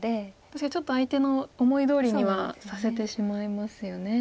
確かにちょっと相手の思いどおりにはさせてしまいますよね。